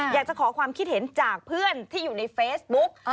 อยากจะขอความคิดเห็นจากเพื่อนที่อยู่ในเฟซบุ๊ก